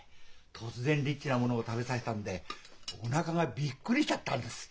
突然リッチなものを食べさせたんでおなかがびっくりしちゃったんです。